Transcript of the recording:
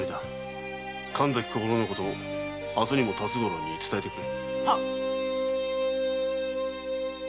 神崎小五郎のこと明日にも辰五郎に伝えてくれ。